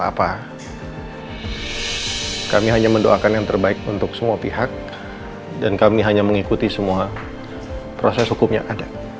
apa kami hanya mendoakan yang terbaik untuk semua pihak dan kami hanya mengikuti semua proses hukum yang ada